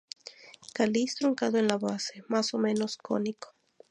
Cáliz truncado en la base, más o menos cónico.